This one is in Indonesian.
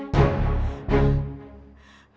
ya sudah lupa ya